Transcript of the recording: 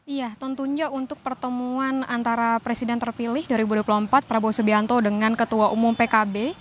iya tentunya untuk pertemuan antara presiden terpilih dua ribu dua puluh empat prabowo subianto dengan ketua umum pkb